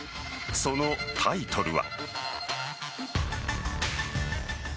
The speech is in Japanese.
そのタイトルは。